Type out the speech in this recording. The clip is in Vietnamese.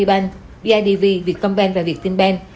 bidv vietcombank và viettinbank